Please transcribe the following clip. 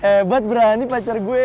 hebat berani pacar gue